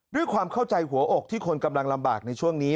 ด้วยความเข้าใจหัวอกที่คนกำลังลำบากในช่วงนี้